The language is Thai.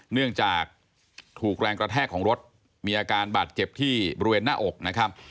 เนื่องจากถูกแรงกระแทกของรถมีอาการบาดเจ็บที่บริเวณหน้าอกนะครับ